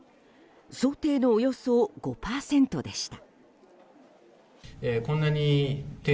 想定のおよそ５％でした。